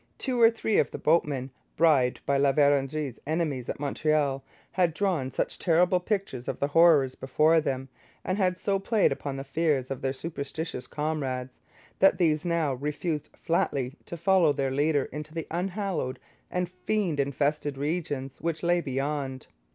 Two or three of the boatmen, bribed by La Vérendrye's enemies at Montreal, had drawn such terrible pictures of the horrors before them, and had so played upon the fears of their superstitious comrades, that these now refused flatly to follow their leader into the unhallowed and fiend infested regions which lay beyond.